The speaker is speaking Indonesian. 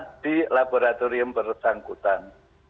masalah di laboratorium bersangkutan